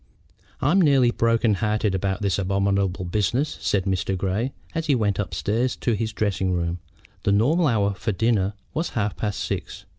"I'm nearly broken hearted about this abominable business," said Mr. Grey, as he went upstairs to his dressing room. The normal hour for dinner was half past six.